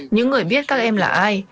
những người biết các em là ai